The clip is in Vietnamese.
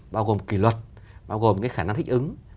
bao gồm kỷ luật bao gồm cái khả năng thích ứng